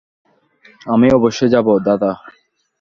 আমি অবশ্যই যাব, দাদা।